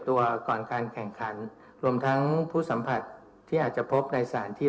ความสัมผัสที่อาจจะพบในสถานที่